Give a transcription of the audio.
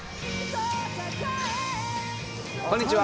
こんにちは。